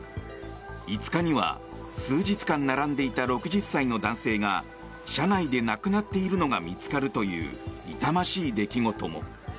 ５日には数日間並んでいた６０歳の男性が車内で亡くなっているのが見つかるという痛ましい出来事も。